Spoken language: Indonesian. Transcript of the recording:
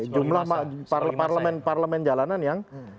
jumlah parlement parlement jalanan yang